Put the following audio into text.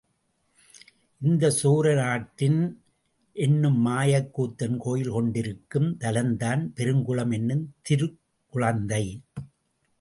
இந்த சோர நாட்டியன் என்னும் மாயக் கூத்தன் கோயில் கொண்டிருக்கும் தலம்தான் பெருங்குளம் என்னும் திருக் குளந்தை.